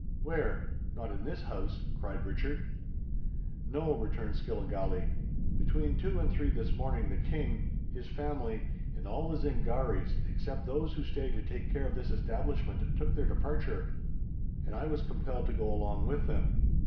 "Where? Not in this house?" cried Richard. "No," returned Skilligalee. "Between two and three this morning the King, his family, and all the Zingarees, except those who stay to take care of this establishment, took their departure; and I was compelled to go along with them.